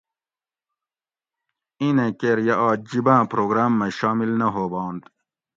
اِیں نیں کیر یہ آج جِب آۤں پروگرام مئ شامل نہ ہوبانت